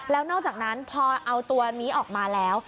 แล้วนอกจากนั้นพอเอาตัวนี้ออกมาแล้ว